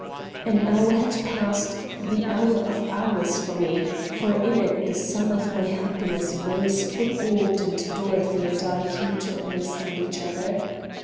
An hour had passed, the hour of hours for me, for in it the sun of my happiness rose full orbed and Dorothy and I came to understand each other.